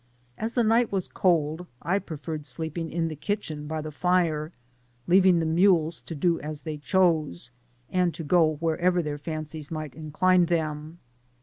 As the night was cold, I preferred sleepmg in the kitcbmi by the fire, leaving the mules to do as they chose, and to go wherever thdur fancies might incline them.